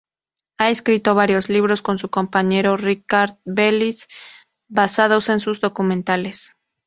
Ha escrito varios libros con su compañero Ricard Bellis, basados en sus documentales.